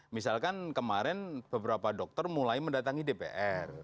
misalkan kemarin beberapa dokter mulai mendatangi dpr